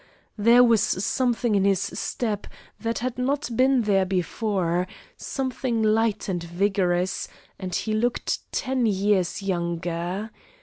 There was something in his step that had not been there before, something light and vigorous, and he looked ten years younger.